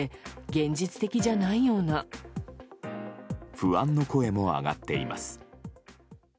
不安の声も上がっています。